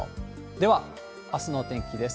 では、あすのお天気です。